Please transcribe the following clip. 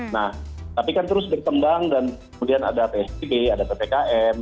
nah tapi kan terus bertembang dan kemudian ada tsp ada ptkm